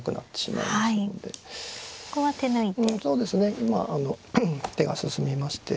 今あの手が進みまして。